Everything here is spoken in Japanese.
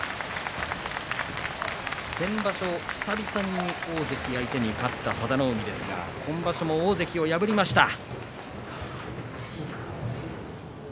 先場所、久々に大関相手に勝った佐田の海ですが今場所も大関を破りました。